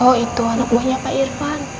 oh itu anak buahnya pak irfan